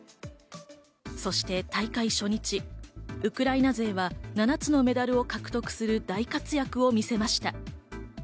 そして大会初日、ウクライナ勢は７つのメダルを獲得する大活躍を見せました。